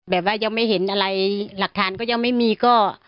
ยังไม่เห็นอะไรหลักฐานก็ยังไม่มีก็